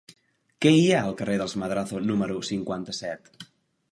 Què hi ha al carrer dels Madrazo número cinquanta-set?